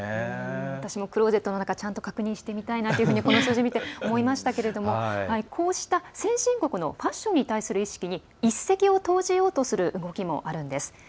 私もクローゼットの中ちゃんと確認してみたいなとこの数字見て思いましたけどこうした先進国のファッションに対する意識に一石を投じようとする動きもあるんです。